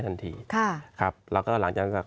ทันทีค่ะแล้วก็หลังจาก